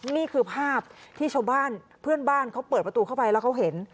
นี่คือภาพที่ชาวบ้านเพื่อนบ้านเขาเปิดประตูเข้าไปแล้วเขาเห็น